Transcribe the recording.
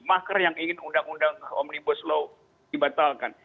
makar yang ingin undang undang omnibus law dibatalkan